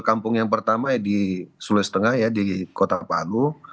kampung yang pertama di sulawesi tengah ya di kota palu